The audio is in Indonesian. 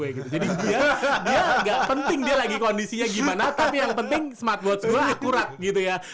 jadi dia dia ga penting dia lagi kondisinya gimana tapi yang penting smartwatch gue akurat gitu ya